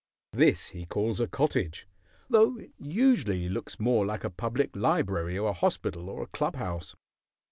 This he calls a cottage, though it usually looks more like a public library or a hospital or a club house.